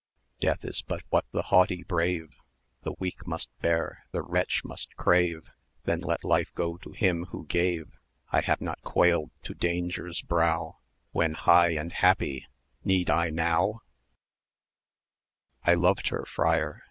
Death is but what the haughty brave, The weak must bear, the wretch must crave; Then let life go to Him who gave: I have not quailed to Danger's brow When high and happy need I now? "I loved her, Friar!